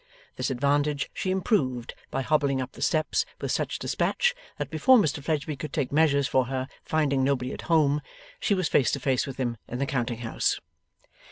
This advantage she improved by hobbling up the steps with such despatch that before Mr Fledgeby could take measures for her finding nobody at home, she was face to face with him in the counting house.